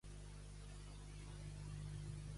De per si.